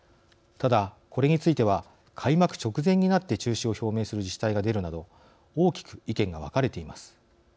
ただ、これについては開幕直前になって中止を表明する自治体が出るなど大きく意見が分かれています。